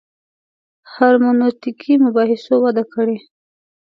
هرمنوتیکي مباحثو وده کړې.